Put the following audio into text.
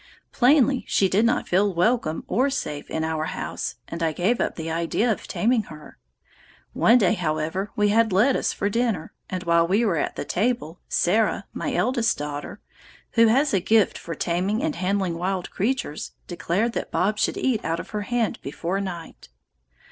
Plainly, she did not feel welcome or safe in our house, and I gave up the idea of taming her. One day, however, we had lettuce for dinner, and while we were at the table Sarah, my eldest daughter, who has a gift for taming and handling wild creatures, declared that Bob should eat out of her hand before night.